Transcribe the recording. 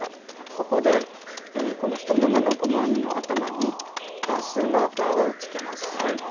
ここでこの１目めの細編みの頭に段数マーカーをつけます。